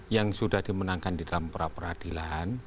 yang sudah dimenangkan dalam peradilan